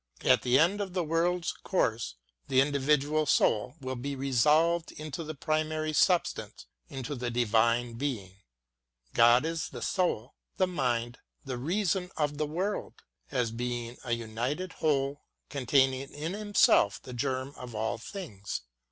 At the end of the world's course the individual soul will be resolved into the primary substance, into the Divine Being. God is the soul, the mind, the reason of the world, as being a united whole containing in Himself the germ of all things.